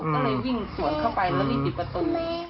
ก็เลยยิ่งสวดเข้าไปแล้วมีผิดประตู